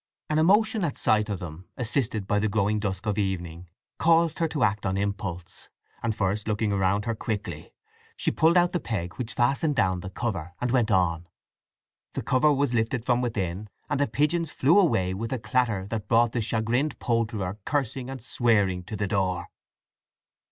An emotion at sight of them, assisted by the growing dusk of evening, caused her to act on impulse, and first looking around her quickly, she pulled out the peg which fastened down the cover, and went on. The cover was lifted from within, and the pigeons flew away with a clatter that brought the chagrined poulterer cursing and swearing to the door.